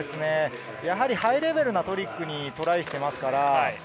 ハイレベルなトリックにトライしていますから。